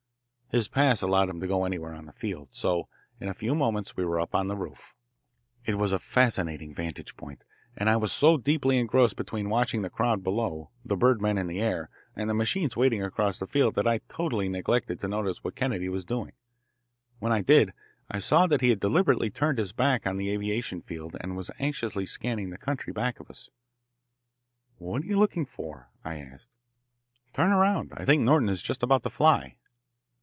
His pass allowed him to go anywhere on the field, so in a few moments we were up on the roof. It was a fascinating vantage point, and I was so deeply engrossed between watching the crowd below, the bird men in the air, and the machines waiting across the field that I totally neglected to notice what Kennedy was doing. When I did, I saw that he had deliberately turned his back on the aviation field, and was anxiously, scanning the country back of us. "What are you looking for?" I asked. "Turn around. I think Norton is just about to fly."